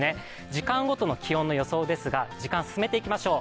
時間ごとの気温の予想ですが、時間、進めていきましょう。